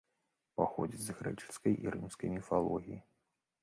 Паходзіць з грэчаскай і рымскай міфалогіі.